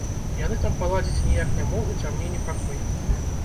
Яны там паладзіць ніяк не могуць, а мне непакой.